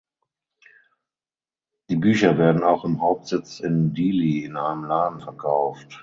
Die Bücher werden auch im Hauptsitz in Dili in einem Laden verkauft.